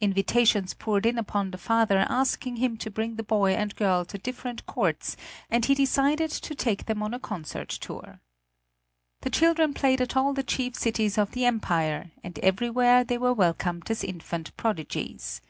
Invitations poured in upon the father asking him to bring the boy and girl to different courts, and he decided to take them on a concert tour. The children played at all the chief cities of the empire, and everywhere they were welcomed as infant prodigies.